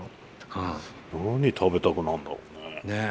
何食べたくなるんだろうねえ。